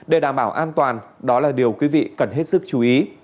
để đảm bảo an toàn đó là điều quý vị cần hết sức chú ý